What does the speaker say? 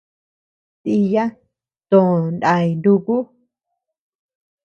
Diya tö ndáy nuúku.